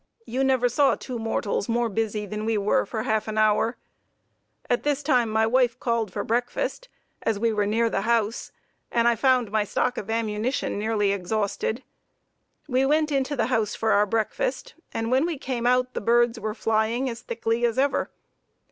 You never saw two mortals more busy than we were for a half hour. At this time my wife called for breakfast, as we were near the house, and I found my stock of ammunition nearly exhausted. We went into the house for our breakfast and when we came out the birds were flying as thickly as ever.